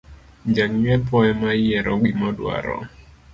Jang’iepo emayiero gimodwaro